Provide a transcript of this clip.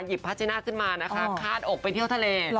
หยิบผ้าเช็ดหน้าขึ้นมานะคะคาดอกไปเที่ยวทะเล